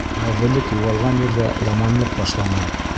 Ғәҙеллек юғалған ерҙә яманлыҡ башлана.